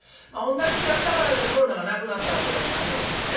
同じになったからいうてコロナがなくなったわけでも何でもない。